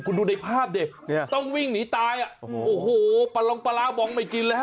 คุณดูในภาพดิเนี่ยต้องวิ่งหนีตายอ่ะโอ้โหปลาลงปลาร้าบองไม่กินเลยฮ